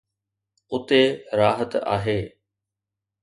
اتي راحت آهي.